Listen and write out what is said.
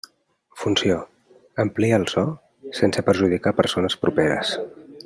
Funció: amplia el so, sense perjudicar persones properes.